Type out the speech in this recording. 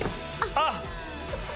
あっ！